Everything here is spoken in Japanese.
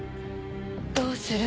どうする？